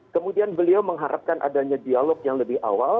kemudian beliau mengharapkan adanya dialog yang lebih awal